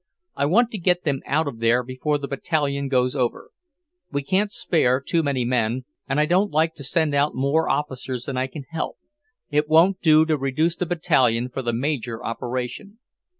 I want to get them out of there before the Battalion goes over. We can't spare too many men, and I don't like to send out more officers than I can help; it won't do to reduce the Battalion for the major operation.